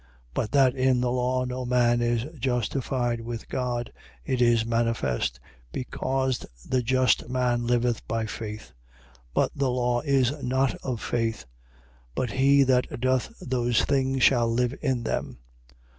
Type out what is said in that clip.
3:11. But that in the law no man is justified with God, it is manifest: because the just man liveth by faith. 3:12. But the law is not of faith: but he that doth those things shall live in them.